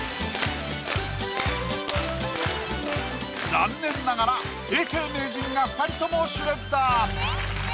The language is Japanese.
残念ながら永世名人が二人ともシュレッダー。